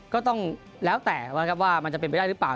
ก็ต้องแล้วแต่ว่ามันจะเป็นไปได้หรือเปล่า